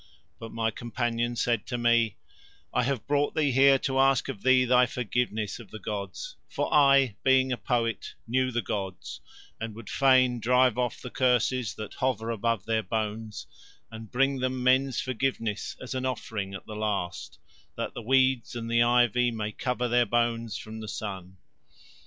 But my companion said to me: "I have brought thee here to ask of thee thy forgiveness of the gods, for I, being a poet, knew the gods, and would fain drive off the curses that hover above Their bones and bring Them men's forgiveness as an offering at the last, that the weeds and the ivy may cover Their bones from the sun."